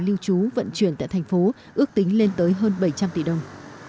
lưu trú vận chuyển tại thành phố ước tính lên tới hơn bảy trăm linh tỷ đồng